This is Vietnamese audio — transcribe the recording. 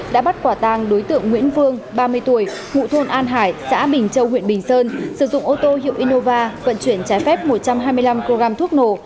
đã bắt quả tàng đối tượng nguyễn vương ba mươi tuổi ngụ thôn an hải xã bình châu huyện bình sơn sử dụng ô tô hiệu inova vận chuyển trái phép một trăm hai mươi năm kg thuốc nổ